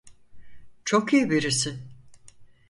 Çok iyi birisi.